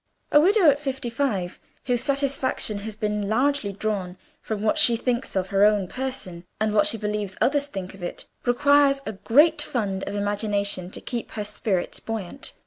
A widow at fifty five whose satisfaction has been largely drawn from what she thinks of her own person, and what she believes others think of it, requires a great fund of imagination to keep her spirits buoyant.